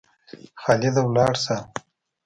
خالده ولاړ سه!